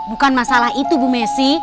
bukan masalah itu bu messi